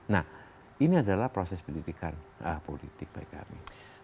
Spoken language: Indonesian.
nah ini adalah proses pendidikan politik baik baik